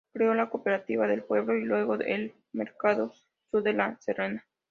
Creó la cooperativa del pueblo y luego el mercado sur de La Serena.